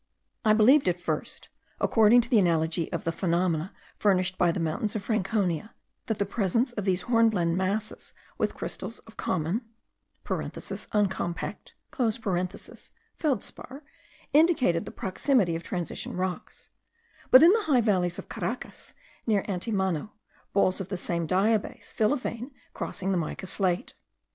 I believed at first, according to the analogy of the phenomena furnished by the mountains of Franconia, that the presence of these hornblende masses with crystals of common (uncompact) feldspar indicated the proximity of transition rocks; but in the high valley of Caracas, near Antimano, balls of the same diabase fill a vein crossing the mica slate.